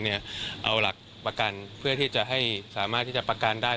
เอาหลักประกันเพื่อที่จะให้สามารถที่จะประกันได้